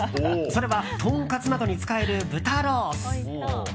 それは、とんかつなどに使える豚ロース。